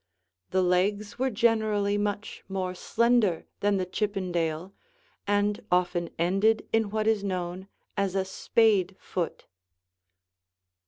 The legs were generally much more slender than the Chippendale and often ended in what is known as a spade foot.